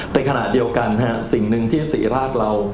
ในขณะเดียวกันสิ่งหนึ่งที่ศรีราชเรา